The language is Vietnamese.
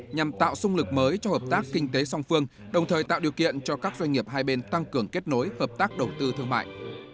nhằm tạo sung lực mới cho hợp tác kinh tế song phương đồng thời tạo điều kiện cho các doanh nghiệp hai bên tăng cường kết nối hợp tác đầu tư thương mại